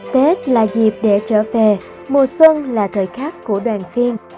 tết là dịp để trở về mùa xuân là thời khắc của đoàn phiên